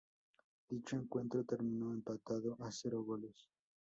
Dicho encuentro terminó empatado a cero goles.